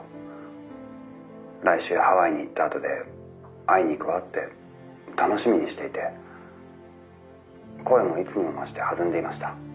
来週ハワイに行ったあとで会いに行くわって楽しみにしていて声もいつにも増して弾んでいました。